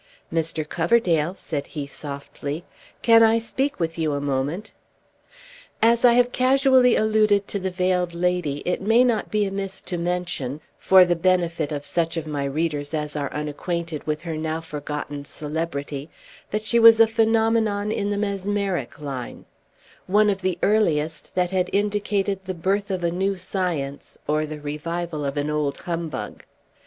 "Mr. Coverdale," said he softly, "can I speak with you a moment?" As I have casually alluded to the Veiled Lady, it may not be amiss to mention, for the benefit of such of my readers as are unacquainted with her now forgotten celebrity, that she was a phenomenon in the mesmeric line; one of the earliest that had indicated the birth of a new science, or the revival of an old humbug.